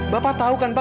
bapak tahu kan pak